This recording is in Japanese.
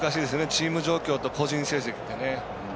チーム状況と個人成績ってね。